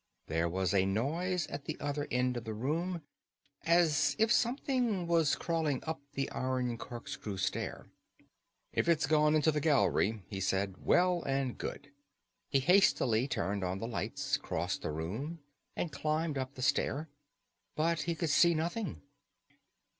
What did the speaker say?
There was a noise at the other end of the room, as if something was crawling up the iron corkscrew stair. "If it's gone into the gallery," he said, "well and good." He hastily turned on the lights, crossed the room, and climbed up the stair. But he could see nothing.